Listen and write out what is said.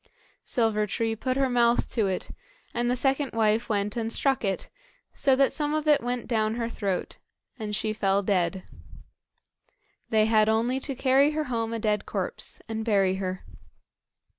Silver tree put her mouth to it, and the second wife went and struck it so that some of it went down her throat, and she fell dead. They had only to carry her home a dead corpse and bury her.